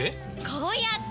こうやって！